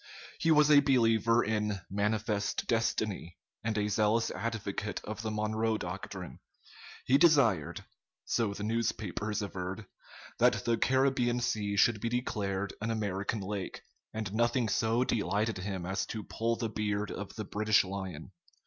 He was a believer in "manifest destiny" and a zealous advocate of the Monroe doctrine. He desired so the newspapers averred that the Caribbean Sea should be declared an American lake, and nothing so delighted him as to pull the beard of the British lion.